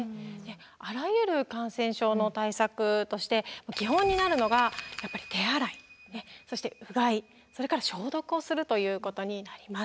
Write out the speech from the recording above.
あらゆる感染症の対策として基本になるのがやっぱり手洗いそしてうがいそれから消毒をするということになります。